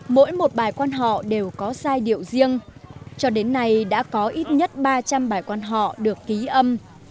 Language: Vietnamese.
mỗi một bài quán họ đều có giai điệu riêng cho đến nay đã có ít nhất ba trăm linh bài quán họ được ký âm